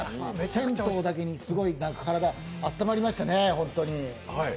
銭湯だけにすごい体あったまりましたね、ホントに。